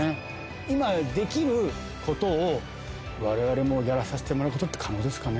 今できることを、われわれもやらさせてもらえることって可能ですかね？